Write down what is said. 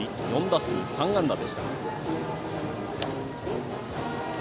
４打数３安打でした。